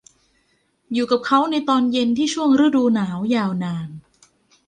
อยู่กับเขาในตอนเย็นที่ช่วงฤดูหนาวยาวนาน